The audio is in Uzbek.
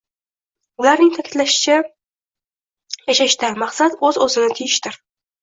Ularning ta’kidlashlaricha, yashashdan maqsad o‘z-o‘zini tiyishdir